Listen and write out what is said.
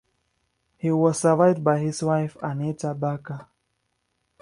He was survived by his wife Anita Backer.